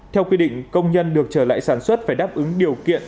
theo quy định công nhân được trở lại sản xuất phải đáp ứng điều kiện